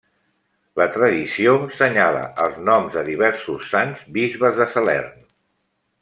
La tradició senyala els noms de diversos sants bisbes de Salern.